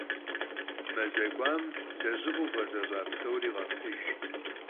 Maze k'uam lejığeu vğezeş'a psori khefhıjj.